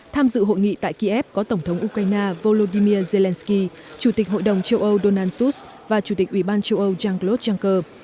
tham dự hội nghị tại kiev có tổng thống ukraine volodymyr zelensky chủ tịch hội đồng châu âu donald tus và chủ tịch ủy ban châu âu jean claude juncker